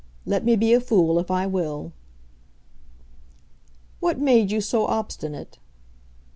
Let me be a fool if I will." "What made you so obstinate?"